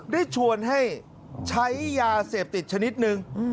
ได้ชวนให้ใช้ยาเสพติดชนิดนึง